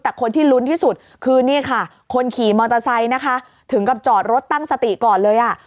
แต่คนที่ลุ้นที่สุดคือนี่ค่ะคนขี่มอเตอร์ไซค์นะคะถึงกับจอดรถตั้งสติก่อนเลยอ่ะ